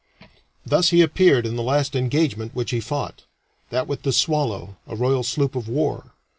Thus he appeared in the last engagement which he fought that with the Swallow a royal sloop of war.